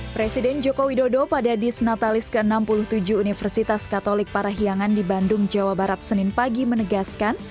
presiden joko widodo pada disnatalis ke enam puluh tujuh universitas katolik parahiangan di bandung jawa barat senin pagi menegaskan